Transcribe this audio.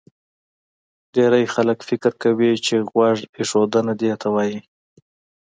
ډېری خلک فکر کوي چې غوږ ایښودنه دې ته وایي